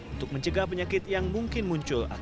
untuk mencegah penyakit yang mungkin menyebabkan penyakit